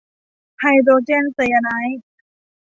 ไฮโดรเจนไซยาไนด์